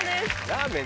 ラーメン